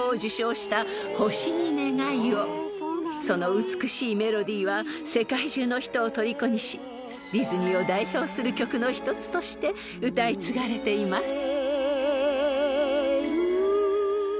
［その美しいメロディーは世界中の人をとりこにしディズニーを代表する曲の一つとして歌い継がれています］